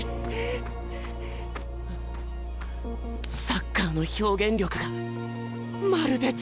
サッカーの表現力がまるで違う。